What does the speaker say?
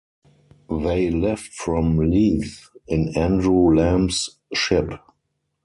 They left from Leith in Andrew Lamb's ship.